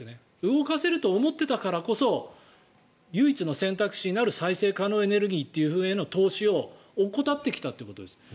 動かせると思っていたからこそ唯一の選択肢になる再生可能エネルギーへの投資を怠ってきたということです。